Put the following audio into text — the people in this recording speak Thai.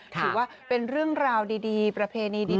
ถือว่าเป็นเรื่องราวดีประเพณีดี